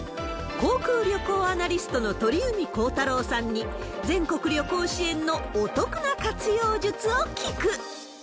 航空・旅行アナリストの鳥海高太朗さんに、全国旅行支援のお得な活用術を聞く。